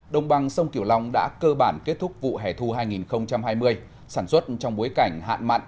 đồng bằng sông kiểu long đã cơ bản kết thúc vụ hẻ thu hai nghìn hai mươi sản xuất trong bối cảnh hạn mặn